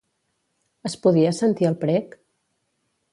Es podia sentir el prec?